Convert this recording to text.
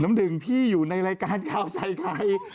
น้ำหนึ่งพี่อยู่ในรายการข่าวใส่ใคร